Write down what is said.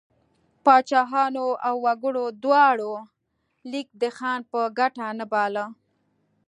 پاچاهانو او وګړو دواړو لیک د ځان په ګټه نه باله.